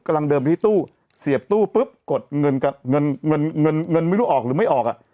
กำลังเดิมไปที่ตู้เสียบตู้ปุ๊บกดเงินกับเงินเงินเงินเงินไม่รู้ออกหรือไม่ออกอ่ะ